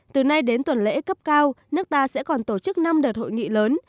từ nay đến tuần lễ cấp cao nước ta sẽ còn tổ chức năm đợt hội nghị lớn